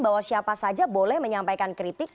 bahwa siapa saja boleh menyampaikan kritik